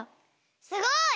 すごい！